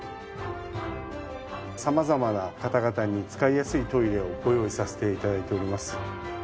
様々な方々に使いやすいトイレをご用意させて頂いております。